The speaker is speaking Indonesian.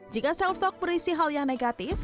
jika self stock berisi hal yang negatif